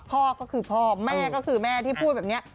พ่อก็คือพ่อแม่ก็คือแม่ที่พูดแบบนี้